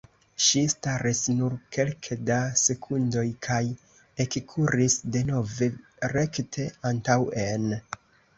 Ŝi staris nur kelke da sekundoj kaj ekkuris denove rekte antaŭen.